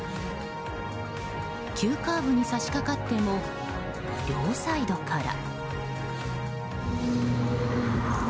急カーブに差し掛かっても両サイドから。